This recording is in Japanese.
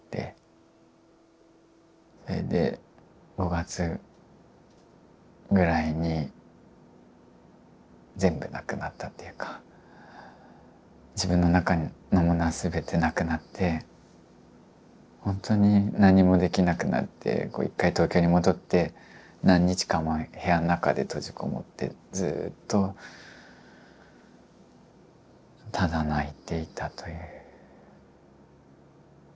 それで５月ぐらいに全部なくなったっていうか自分の中のものは全てなくなってほんとに何もできなくなって一回東京に戻って何日間も部屋の中で閉じこもってずっとただ泣いていたということがありました。